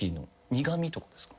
苦味とかですか？